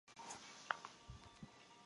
酒楼名称以著名小说角色楚留香命名。